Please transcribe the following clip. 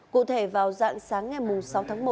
cụ thể vào dạng sáng ngày sáu tháng một